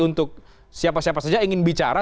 untuk siapa siapa saja ingin bicara